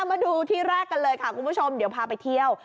มาดูที่แรกกันเลยค่ะคุณผู้ชมเดี๋ยวพาไปเที่ยว